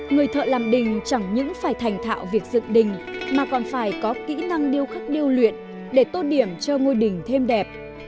người thợ làm đình chẳng những phải thành thạo việc dựng đình mà còn phải có kỹ năng điêu khắc điêu luyện để tô điểm cho ngôi đình thêm đẹp